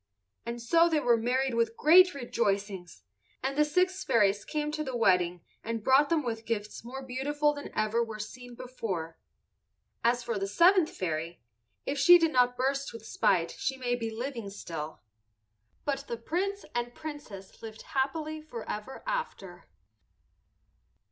And so they were married with great rejoicings, and the six fairies came to the wedding and brought with them gifts more beautiful than ever were seen before. As for the seventh fairy, if she did not burst with spite she may be living still. But the Prince and Princess lived happily forever after.